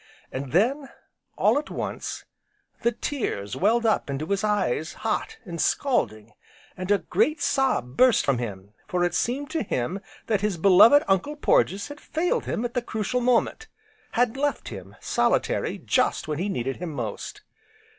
And then, all at once the tears welled up into his eyes hot, and scalding, and a great sob burst from him, for it seemed to him that his beloved Uncle Porges had failed him at the crucial moment, had left him solitary just when he needed him most.